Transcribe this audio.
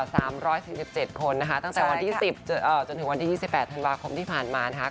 ตั้งแต่วันที่๑๐จนถึงวันที่๒๘ธันวาคมที่ผ่านมานะคะ